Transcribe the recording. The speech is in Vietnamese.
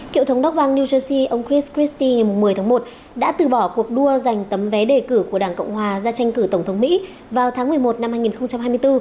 kiệu thống đốc bang new jersey ông chris christie ngày một mươi tháng một đã từ bỏ cuộc đua dành tấm vé đề cử của đảng cộng hòa ra tranh cử tổng thống mỹ vào tháng một mươi một năm hai nghìn hai mươi bốn